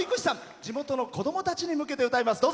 地元の子どもたちに向けて歌います。